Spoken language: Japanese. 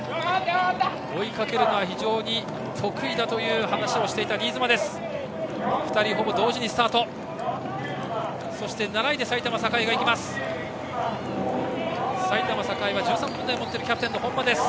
追いかけるのは非常に得意だという話をしていた新妻です。